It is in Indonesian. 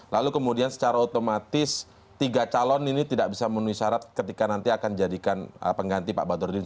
lalu kemudian secara otomatis tiga calon ini tidak bisa menuhi syarat ketika nanti akan jadikan pengganti pak badrodin